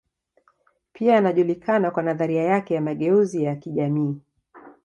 Pia anajulikana kwa nadharia yake ya mageuzi ya kijamii.